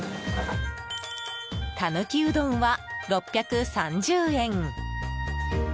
たぬきうどんは６３０円。